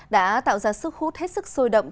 đã tạo ra sức hút hết sức sôi động